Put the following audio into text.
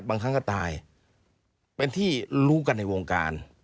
บางครั้งก็ตายเป็นที่รู้กันในวงการ